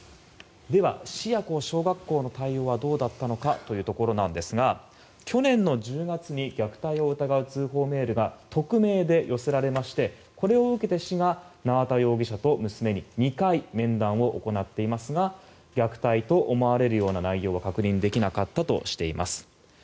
では、市や小学校の対応はどうだったのかというところですが去年の１０月に、虐待を疑う通報メールが匿名で寄せられましてこれを受けて市が縄田容疑者と娘に２回、面談を行っていますが虐待と思われるような内容は確認できなかったとしています。